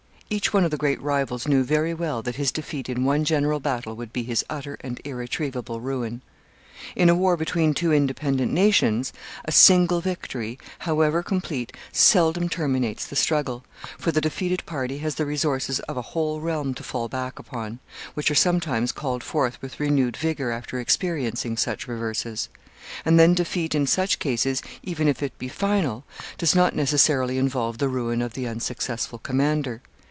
Each one of the great rivals knew very well that his defeat in one general battle would be his utter and irretrievable ruin. In a war between two independent nations, a single victory, however complete, seldom terminates the struggle, for the defeated party has the resources of a whole realm to fall back upon, which are sometimes called forth with renewed vigor after experiencing such reverses; and then defeat in such cases, even if it be final, does not necessarily involve the ruin of the unsuccessful commander.